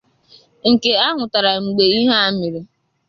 nke a hụtara mgbe ihe a mere